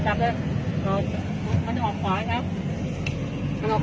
โหนร้องซูบ